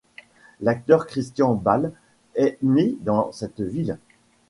L'acteur Christian Bale est né dans cette ville.